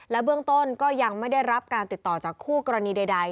เบื้องต้นก็ยังไม่ได้รับการติดต่อจากคู่กรณีใด